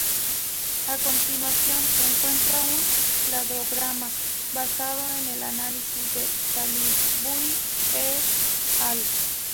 A continuación se encuentra un cladograma basado en el análisis de Salisbury "et al.